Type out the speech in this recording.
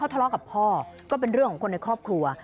ทะเลาะกับพ่อก็เป็นเรื่องของคนในครอบครัว